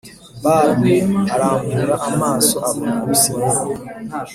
Bal mu arambura amaso abona Abisirayeli